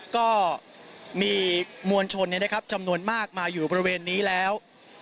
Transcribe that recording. ก็มีมวลชนจำนวนมากมาอยู่บริเวณนี้แล้ว